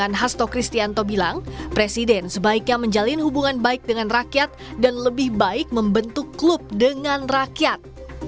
hasto kristianto bilang presiden sebaiknya menjalin hubungan baik dengan rakyat dan lebih baik membentuk klub dengan rakyat